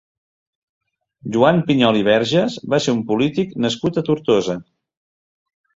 Joan Piñol i Verges va ser un polític nascut a Tortosa.